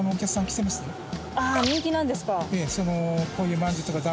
人気なんですか。